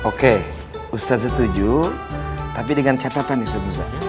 oke ustadz setuju tapi dengan catatan nih ustadz musa